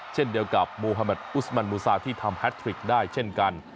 เช่นเดียวกับโมฮาแมทอุสมันมูซาที่ทำแฮทริกได้เช่นกัน